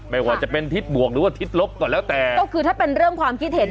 ไม่ว่าจะเป็นทิศบวกหรือว่าทิศลบก่อนแล้วแต่ก็คือถ้าเป็นเรื่องความคิดเห็น